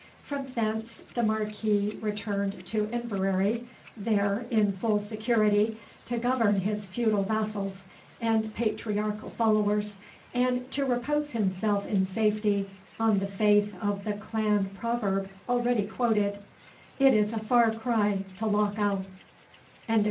From thence the Marquis returned to Inverary, there, in full security, to govern his feudal vassals, and patriarchal followers, and to repose himself in safety on the faith of the Clan proverb already quoted "It is a far cry to Lochow."